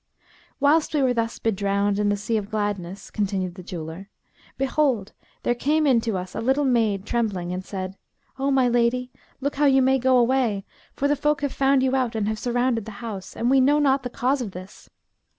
Whilst we were thus drowned in the sea of gladness" (continued the jeweller) "behold, there came in to us a little maid trembling and said, 'O my lady, look how you may go away for the folk have found you out and have surrounded the house; and we know not the cause of this!'